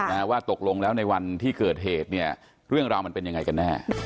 ว่าตกลงแล้วในวันที่เกิดเหตุเนี่ยเรื่องราวมันเป็นยังไงกันแน่